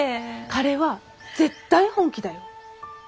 彼は絶対本気だよ。